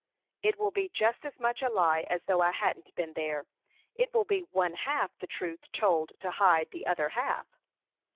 "It will be just as much a lie as though I hadn't been there. It will be one half the truth told to hide the other half."